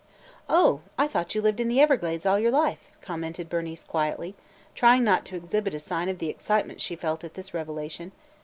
"Oh, I thought you lived in the Everglades all your life," commented Bernice quietly, trying not to exhibit a sign of the excitement she felt at this revelation.